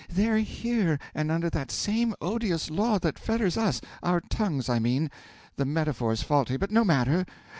They're here, and under that same odious law that fetters us our tongues, I mean; the metaphor's faulty, but no matter.